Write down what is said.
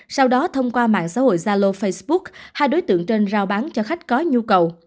sau đó thông qua mạng xã hội zalo facebook hai đối tượng trên giao bán cho khách có nhu cầu